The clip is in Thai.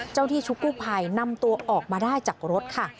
เจ้าที่ชุดกู้ภัยนำตัวออกมาได้จากรถค่ะ